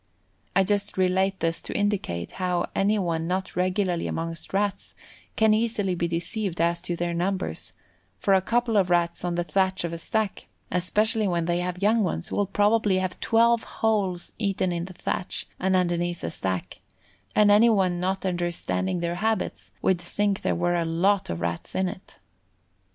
I just relate this to indicate how anyone not regularly amongst Rats can easily be deceived as to their numbers, for a couple of Rats on the thatch of a stack, especially when they have young ones, will probably have twelve holes eaten in the thatch and underneath the stack, and anyone not understanding their habits would think there were a lot of Rats in it.